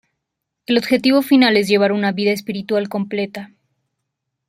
El objetivo final es llevar una vida espiritual completa.